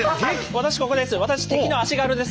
私ここです。